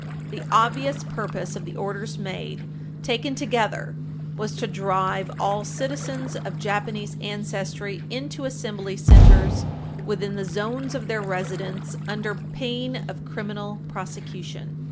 The obvious purpose of the orders made, taken together, was to drive all citizens of Japanese ancestry into Assembly Centers within the zones of their residence, under pain of criminal prosecution.